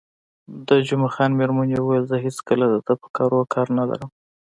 د جمعه خان میرمنې وویل: زه هېڅکله د ده په کارو کار نه لرم.